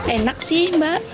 enak sih mbak